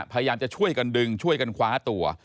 พยายามจะช่วยกันดึงช่วยกันคว้าตัว